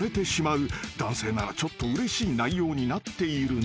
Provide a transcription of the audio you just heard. ［男性ならちょっとうれしい内容になっているのだ］